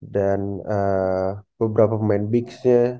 dan beberapa pemain bigsnya